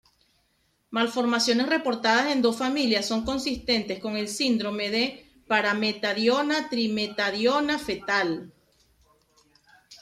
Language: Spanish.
Malformaciones reportadas en dos familias son consistentes con el síndrome de parametadiona-trimetadiona fetal.